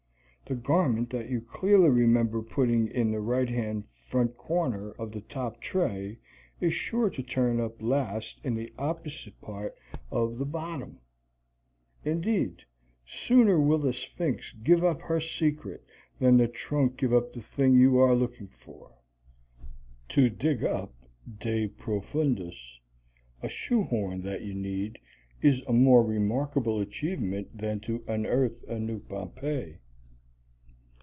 The garment that you clearly remember putting in the right hand front corner of the top tray is sure to turn up at last in the opposite part of the bottom. Indeed, sooner will the Sphinx give up her secret than the trunk give up the thing you are looking for. To dig up de profundis a shoehorn that you need is a more remarkable achievement than to unearth a new Pompeii.